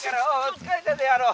疲れたであろう。